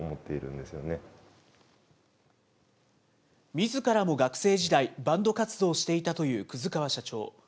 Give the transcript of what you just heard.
みずからも学生時代、バンド活動をしていたという葛川社長。